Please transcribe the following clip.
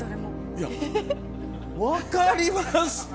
いや、分かりますって。